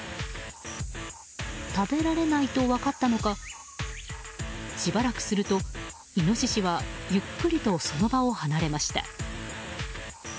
食べられないと分かったのかしばらくするとイノシシは、ゆっくりとその場を離れました。